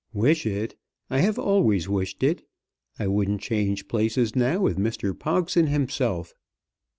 "Wish it! I have always wished it. I wouldn't change places now with Mr. Pogson himself."